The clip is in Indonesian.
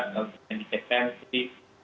lalu di cek pensi